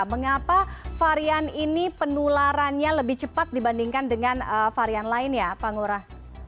mengapa varian ini penularannya lebih cepat dibandingkan dengan varian lain ya pak ngurah